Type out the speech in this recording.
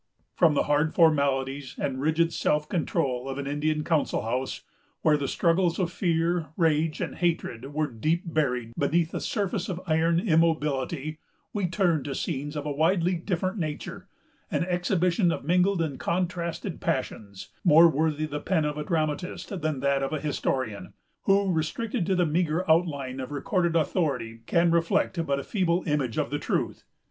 From the hard formalities and rigid self control of an Indian council house, where the struggles of fear, rage, and hatred were deep buried beneath a surface of iron immobility, we turn to scenes of a widely different nature; an exhibition of mingled and contrasted passions, more worthy the pen of the dramatist than that of the historian; who, restricted to the meagre outline of recorded authority, can reflect but a feeble image of the truth.